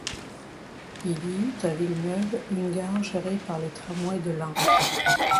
Il y eut à Villeneuve une gare gérée par les tramways de l'Ain.